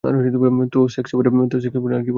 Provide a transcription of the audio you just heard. তো সেক্সোফোনে আর কী ভরবে?